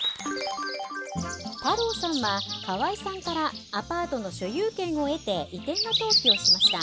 太郎さんは河井さんからアパートの所有権を得て移転の登記をしました。